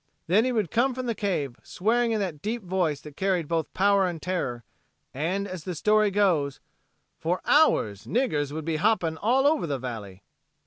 Then he would come from the cave swearing in that deep voice that carried both power and terror, and, as the story goes, "for hours 'niggers' would be hopping all over the valley."